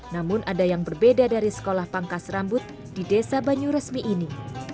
namun ada yang berbeda dari sekolah pangkas rambut di desa banyuresmi ini